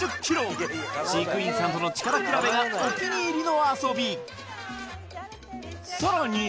飼育員さんとの力比べがお気に入りの遊びさらに